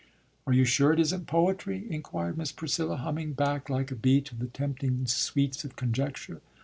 '" "Are you sure it isn't poetry?" inquired Miss Priscilla, humming back like a bee to the tempting sweets of conjecture.